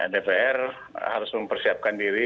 dpr harus mempersiapkan diri